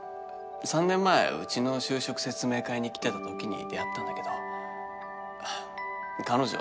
３年前うちの就職説明会に来てたときに出会ったんだけど彼女